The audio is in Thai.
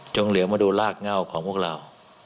เหลือมาดูรากเง่าของพวกเรา